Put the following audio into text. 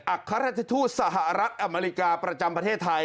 สถานเอกอัครัฐทูตสหรัฐอเมริกาประจำประเทศไทย